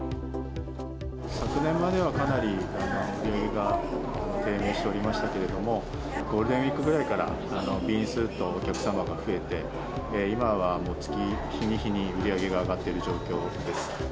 昨年まではかなり、売り上げが低迷しておりましたけれども、ゴールデンウィークぐらいから便数とお客様が増えて、今は月、日に日に売り上げが上がってる状況です。